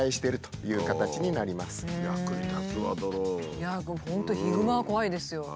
いやあ本当ヒグマは怖いですよ。